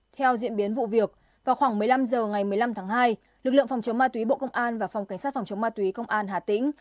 theo diễn biến vụ việc vào khoảng một mươi năm h ngày một mươi năm tháng hai lực lượng phòng chống ma túy bộ công an và phòng cảnh sát phòng chống ma túy công an hà tĩnh